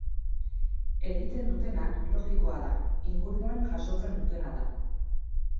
Egiten dutena logikoa da, inguruan jasotzen dutena da.